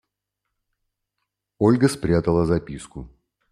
Ольга спрятала записку.